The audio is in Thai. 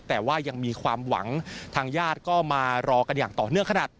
แต่ว่ายังมีความหวังทางญาติก็มารอกันอย่างต่อเนื่องขนาด